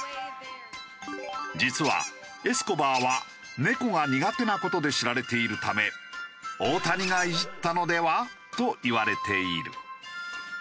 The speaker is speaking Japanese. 実はエスコバーは猫が苦手な事で知られているため大谷がイジったのでは？といわれている。